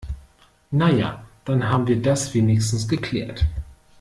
Na ja, dann haben wir das wenigstens geklärt.